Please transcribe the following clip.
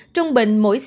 trong bình mỗi xe